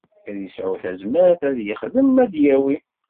Ad yesɛu tazmert, ad yexdem, ad d-yawi.